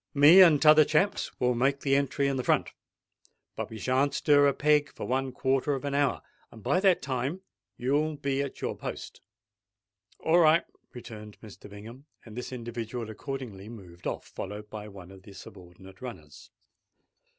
Me and t'other chaps will make the entry in front. But we shan't stir a peg for one quarter of an hour; and by that time you'll be at your post." "All right," returned Mr. Bingham; and this individual accordingly moved off, followed by one of the subordinate runners.